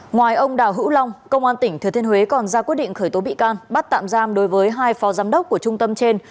ngoài ông đào hữu long công an tỉnh thừa thiên huế còn ra quyết định khởi tố bị can bắt tạm giam đối với hai phó giám đốc của trung tâm trên